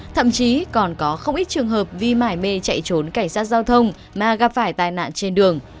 thậm chí còn có không ít trường hợp vi mải mê chạy trốn cảnh sát giao thông mà gặp phải tài nạn trên đường